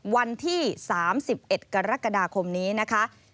วันที่๓๑กรกฎาคมนี้นะคะ